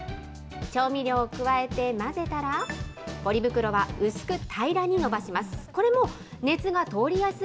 調味料を加えて混ぜたら、ポリ袋は薄く平らに伸ばします。